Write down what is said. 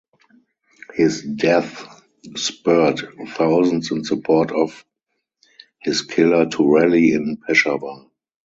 His death spurred thousands in support of his killer to rally in Peshawar.